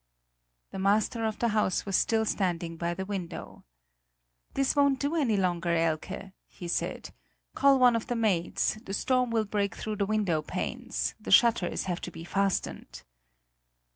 The master of the house was still standing by the window. "This won't do any longer, Elke!" he said; "call one of the maids; the storm will break through the window panes the shutters have to be fastened!"